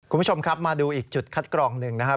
คุณผู้ชมครับมาดูอีกจุดคัดกรองหนึ่งนะครับ